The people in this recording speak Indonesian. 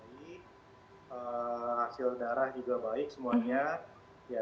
jadi hasil darah juga baik semuanya